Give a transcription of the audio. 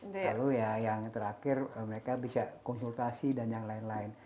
lalu ya yang terakhir mereka bisa konsultasi dan yang lain lain